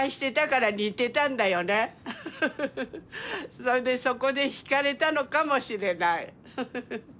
それでそこで惹かれたのかもしれない。